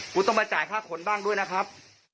คุณต้องมาจ่ายค่าขนบ้างด้วยนะครับ